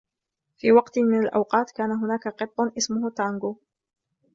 في وقت من الاوقات ، كان هناك قط اسمه تانغو.